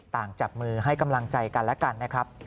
จับมือให้กำลังใจกันและกันนะครับ